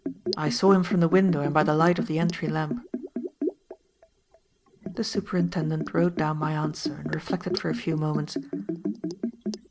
I saw him from the window and by the light of the entry lamp." The Superintendent wrote down my answer and reflected for a few moments.